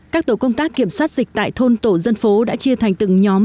các tổ công tác kiểm soát dịch tại thôn tổ dân phố đã chia thành từng nhóm